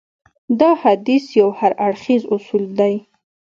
دا حديث يو هراړخيز اصول دی.